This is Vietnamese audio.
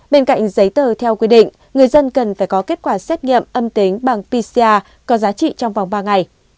bên cạnh giấy tờ theo quy định người dân cần phải có kết quả xét nghiệm âm tính bằng pcr có giá trị trong vòng ba ngày